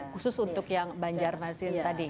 khusus untuk yang banjarmasin tadi